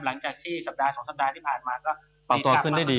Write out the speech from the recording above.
หลังจนสัปดาห์สองสัปดาห์ที่ผ่านมาจะปรับตัวขึ้นได้ดี